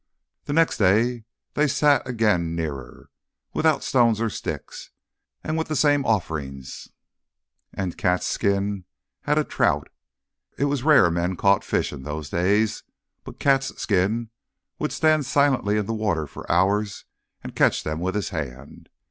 The next day they sat again nearer without stones or sticks, and with the same offerings, and Cat's skin had a trout. It was rare men caught fish in those days, but Cat's skin would stand silently in the water for hours and catch them with his hand.